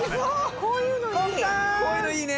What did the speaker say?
こういうのいいね。